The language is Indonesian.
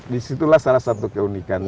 disitulah salah satu keunikannya